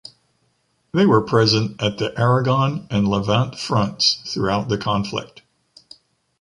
They were present at the Aragon and Levant fronts throughout the conflict.